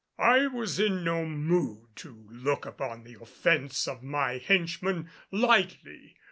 I was in no mood to look upon the offense of my henchmen lightly.